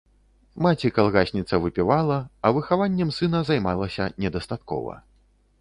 Маці-калгасніца выпівала, а выхаваннем сына займалася недастаткова.